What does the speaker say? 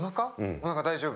おなか大丈夫。